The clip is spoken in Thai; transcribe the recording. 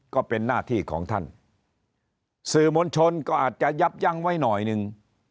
ก็เป็นหน้าที่ของท่านสื่อมวลชนก็อาจจะยับยั้งไว้หน่อยหนึ่ง